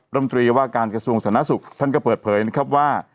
รมตรีว่าการกระทรวงสาธารณสุขท่านก็เปิดเผยนะครับว่า